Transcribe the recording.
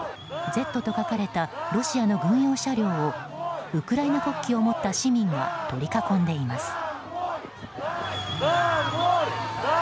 Ｚと書かれたロシアの軍用車両をウクライナ国旗を持った市民が取り囲んでいます。